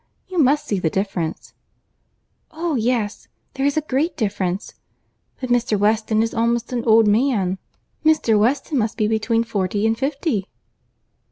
You must see the difference." "Oh yes!—there is a great difference. But Mr. Weston is almost an old man. Mr. Weston must be between forty and fifty."